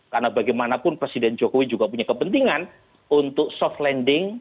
karena bagaimanapun presiden jokowi juga punya kepentingan untuk soft landing